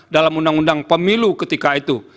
dalam undang undang pemilu ketika itu